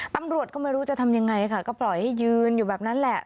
ตำรวจก็ไม่รู้จะทำยังไงค่ะก็ปล่อยให้ยืนอยู่แบบนั้นแหละ